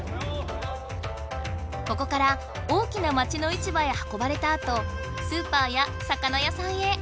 ここから大きな町の市場へはこばれたあとスーパーや魚屋さんへ。